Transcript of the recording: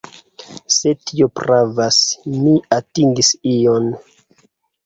Se tio pravas, mi atingis ion.